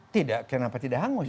tidak kenapa tidak hangus